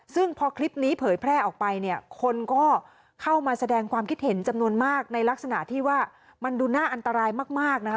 ซึ่งพอคลิปนี้เผยแพร่ออกไปเนี่ยคนก็เข้ามาแสดงความคิดเห็นจำนวนมากในลักษณะที่ว่ามันดูน่าอันตรายมากนะคะ